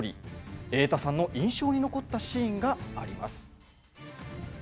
瑛太さんの印象に残ったシーンがあります。